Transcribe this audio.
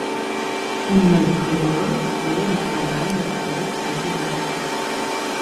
У многіх рэгіёнах свае непараўнальныя традыцыі і звычкі.